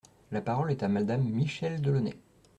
La parole est à Madame Michèle Delaunay.